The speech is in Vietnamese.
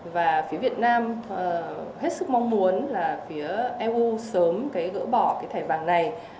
và phía việt nam hết sức mong muốn là phía eu sớm gỡ bỏ cái thẻ vàng này